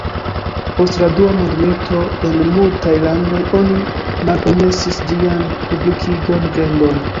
Post la dua mondmilito, en multaj landoj oni malpermesis ĝian publikigon, vendon.